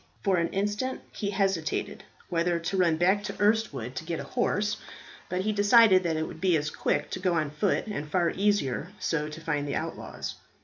For an instant he hesitated whether to run back to Erstwood to get a horse; but he decided that it would be as quick to go on foot, and far easier so to find the outlaws.